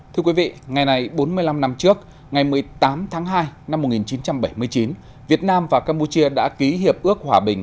thưa quý vị ngày này bốn mươi năm năm trước ngày một mươi tám tháng hai năm một nghìn chín trăm bảy mươi chín việt nam và campuchia đã ký hiệp ước hòa bình